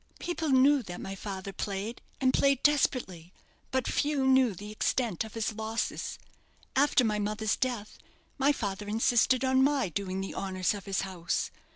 People knew that my father played, and played desperately; but few knew the extent of his losses. After my mother's death, my father insisted on my doing the honours of his house.